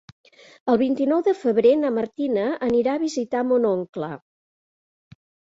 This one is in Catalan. El vint-i-nou de febrer na Martina anirà a visitar mon oncle.